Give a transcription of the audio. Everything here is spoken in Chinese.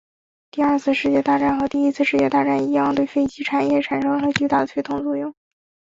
第二次世界大战和第一次世界大战一样对飞机业产生了巨大的推动作用。